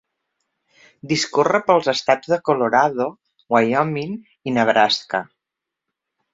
Discorre pels estats de Colorado, Wyoming i Nebraska.